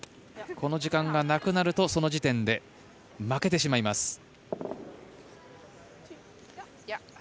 この時間がなくなるとその時点で負けてしまいます。